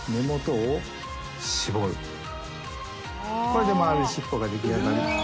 これで丸い尻尾が出来上がり。